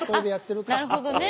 なるほどね。